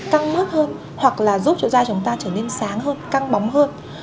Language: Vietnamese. căng mắt hơn hoặc là giúp cho da chúng ta trở nên sáng hơn căng bóng hơn